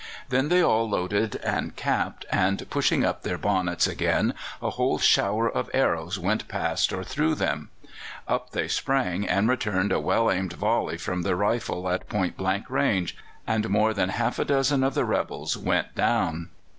Then they all loaded and capped, and, pushing up their bonnets again, a whole shower of arrows went past or through them. Up they sprang and returned a well aimed volley from their rifles at point blank distance, and more than half a dozen of the rebels went down.